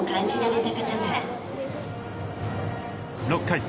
６回。